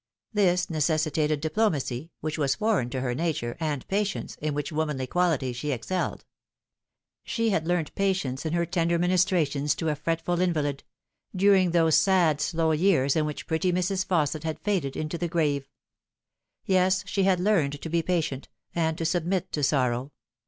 This necessitated diplo macy, which was foreign to her nature, and patience, in which womanly quality she excelled. She had learnt patience in her tender ministrations to a fretful invalid, during thos 226 The Fatal THret. Bad slow years in which pretty Mrs. Fausset had faded into the grave. Yes, she had learnt to be patient, and to submit to sorrow.